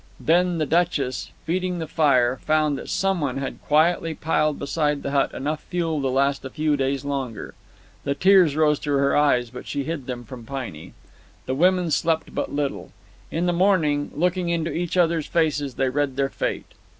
Then the Duchess, feeding the fire, found that someone had quietly piled beside the hut enough fuel to last a few days longer. The tears rose to her eyes, but she hid them from Piney. The women slept but little. In the morning, looking into each other's faces, they read their fate.